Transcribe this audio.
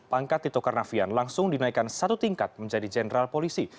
pangkat tito karnavian langsung dinaikkan satu tingkat menjadi jenderal polisi